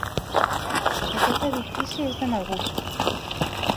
Aquest edifici és de mal gust.